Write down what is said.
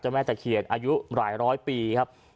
แม่ตะเคียนอายุหลายร้อยปีครับ